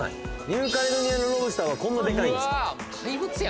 ニューカレドニアのロブスターはこんなでかいんですか？